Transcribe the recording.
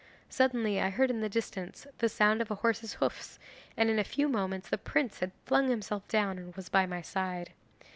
Suddenly I heard in the distance the sound of a horse's hoofs, and in a few moments the prince had flung himself down and was by my side.